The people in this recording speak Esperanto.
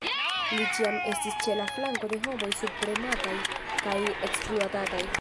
Li ĉiam estis ĉe la flanko de homoj subpremataj kaj ekspluatataj.